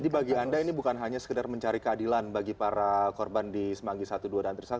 jadi bagi anda ini bukan hanya sekedar mencari keadilan bagi para korban di semanggi satu dua dan tiga saat